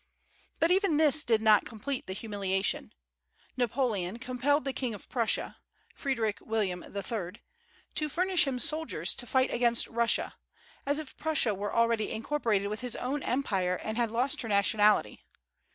But even this did not complete the humiliation. Napoleon compelled the King of Prussia Frederic William III. to furnish him soldiers to fight against Russia, as if Prussia were already incorporated with his own empire and had lost her nationality.